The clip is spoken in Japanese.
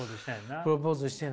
プロポーズしてな。